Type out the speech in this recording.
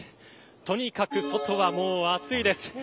とにかく外はもう暑いです。